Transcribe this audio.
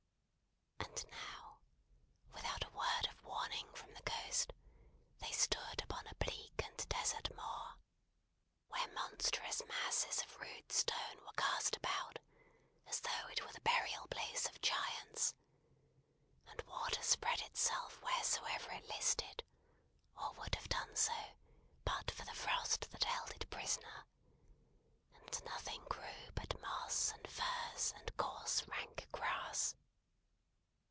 And now, without a word of warning from the Ghost, they stood upon a bleak and desert moor, where monstrous masses of rude stone were cast about, as though it were the burial place of giants; and water spread itself wheresoever it listed, or would have done so, but for the frost that held it prisoner; and nothing grew but moss and furze, and coarse rank grass.